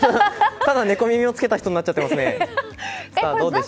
ただ、猫耳を着けた人になっちゃってますね。